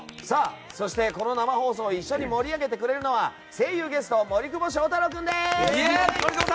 そして、この生放送を一緒に盛り上げてくれるのは声優ゲスト森久保祥太郎君です。